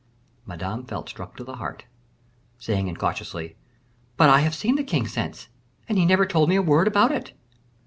Madame felt struck to the heart, saying incautiously, "But I have seen the king since, and he never told me a word about it."